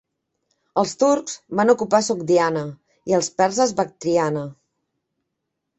Els turcs van ocupar Sogdiana i els perses Bactriana.